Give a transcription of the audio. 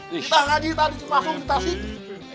kita ngaji kita dicik masuk dikasih